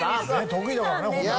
得意だからねホントは。